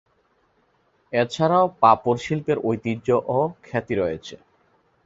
এ ছাড়াও পাপড় শিল্পের ঐতিহ্য ও খ্যাতি রয়েছে।